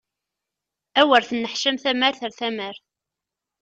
Awer tenneḥcam tamart ar tamart!